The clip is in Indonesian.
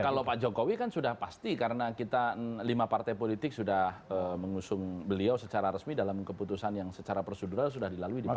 kalau pak jokowi kan sudah pasti karena kita lima partai politik sudah mengusung beliau secara resmi dalam keputusan yang secara prosedural sudah dilalui di bawah